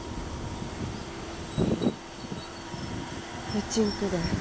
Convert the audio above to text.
うちんくで。